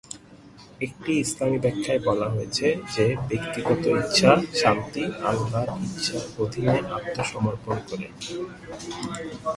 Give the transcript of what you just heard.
একটি ইসলামি ব্যাখ্যায় বলা হয়েছে যে ব্যক্তিগত ইচ্ছা শান্তি আল্লাহর ইচ্ছার অধীনে আত্মসমর্পণ করে।